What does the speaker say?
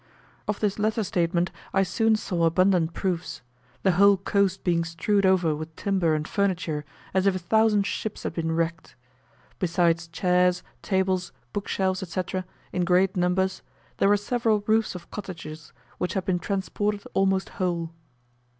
Of this latter statement I soon saw abundant proofs the whole coast being strewed over with timber and furniture as if a thousand ships had been wrecked. Besides chairs, tables, book shelves, etc., in great numbers, there were several roofs of cottages, which had been transported almost whole.